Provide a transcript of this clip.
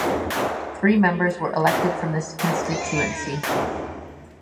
Three members were elected from this constituency.